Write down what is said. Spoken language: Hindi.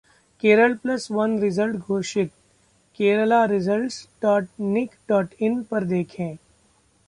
केरल प्लस वन रिजल्ट घोषित keralaresults.nic.in पर देखें